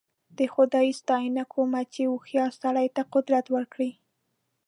د خدای ستاینه کوم چې هوښیار سړي ته قدرت ورکړ.